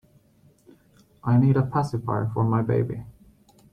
I need a pacifier for my baby.